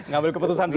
ngambil keputusan dulu